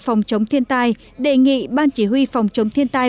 phòng chống thiên tai đề nghị ban chỉ huy phòng chống thiên tai